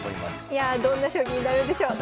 いやどんな将棋になるんでしょう？